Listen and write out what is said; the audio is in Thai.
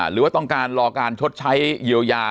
หรือว่าต้องการรอการชดใช้เยียวยา